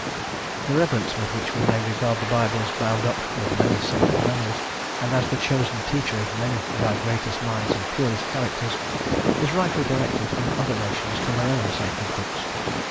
* W. R. Greg. The reverence with which we may regard the Bible as bound up with many sacred memories, and as the chosen teacher of many of our greatest minds and purest characters, is rightly directed in other nations to their own sacred books.